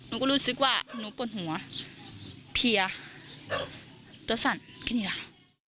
หนูก็รู้สึกว่าหนูปวดหัวเพียตัวสั่นแค่นี้แหละค่ะ